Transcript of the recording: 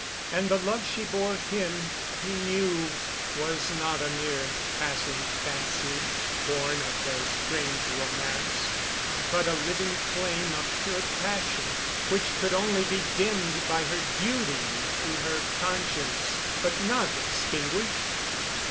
And the love she bore him, he knew was not a mere passing fancy, born of their strange romance, but a living flame of pure passion, which could only be dimmed by her duty to her conscience—but not extinguished.